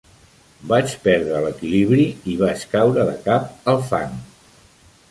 Vaig perdre l'equilibri i vaig caure de cap al fang.